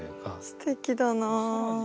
すてきだな。